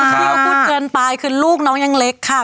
เที่ยวพูดเกินไปคือลูกน้องยังเล็กค่ะ